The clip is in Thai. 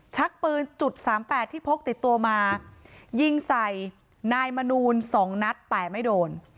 ชักปืนจุดสามแปดที่พกติดตัวมายิงใส่นายมนูล๒นัดแต่ไม่โดน